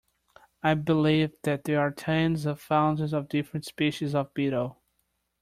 I believe that there are tens of thousands of different species of beetle